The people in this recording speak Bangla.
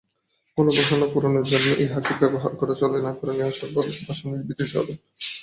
কোন বাসনাপূরণের জন্য ইহাকে ব্যবহার করা চলে না, কারণ ইহা সর্ববিধ বাসনার নিবৃত্তি-স্বরূপ।